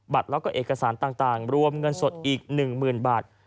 บัตรแล้วก็เอกสารต่างต่างรวมเงินสดอีกหนึ่งหมื่นบาท